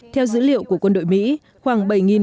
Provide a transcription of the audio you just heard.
theo dữ liệu của quân đội mỹ khoảng bảy bảy trăm linh